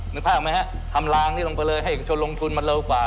นึกภาพออกไหมฮะทำลางนี้ลงไปเลยให้เอกชนลงทุนมันเร็วกว่า